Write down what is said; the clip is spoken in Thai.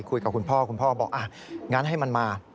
คุยกับคุณพ่อคุณพ่อบอกงั้นให้มันมา